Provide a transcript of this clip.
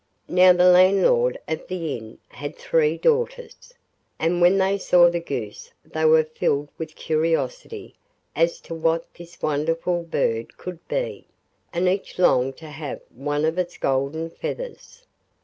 Now the landlord of the inn had three daughters, and when they saw the goose they were filled with curiosity as to what this wonderful bird could be, and each longed to have one of its golden feathers.